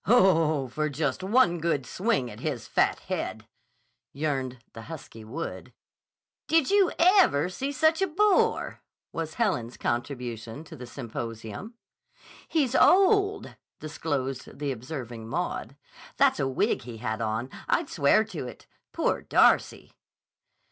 "Oh, for just one good swing at his fat head," yearned the husky Wood. "Did you ever see such a boor!" was Helen's contribution to the symposium. "He's old." disclosed the observing Maud. "That's a wig he had on. I'd swear to it. Poor Darcy!"